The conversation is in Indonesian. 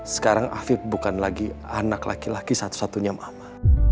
sekarang afif bukan lagi anak laki laki satu satunya mama